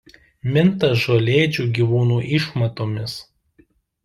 Minta žolėdžių gyvūnų išmatomis.